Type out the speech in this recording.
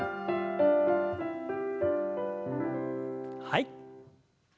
はい。